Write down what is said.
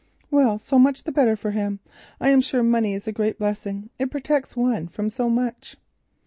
"Well, so much the better for him. I am sure money is a great blessing. It protects one from so much."